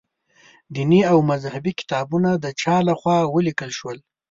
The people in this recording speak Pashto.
دیني او مذهبي کتابونه د چا له خوا ولیکل شول.